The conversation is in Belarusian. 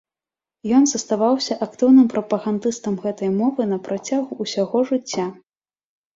Ён заставаўся актыўным прапагандыстам гэтай мовы напрацягу ўсяго жыцця.